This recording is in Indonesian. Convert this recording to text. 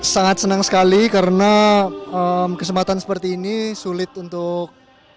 sangat senang sekali karena kesempatan seperti ini sulit untuk